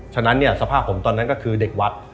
ฉะนั้นเนี่ยสภาพผมตอนนั้นก็คือเด็กวัด